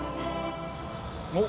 おっ。